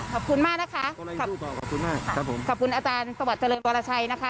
ขอบคุณมากนะคะขอบคุณมากครับผมขอบคุณอาจารย์สวัสดิเจริญวรชัยนะคะ